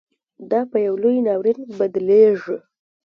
دا پـه يـو لـوى نـاوريـن بـدليږي.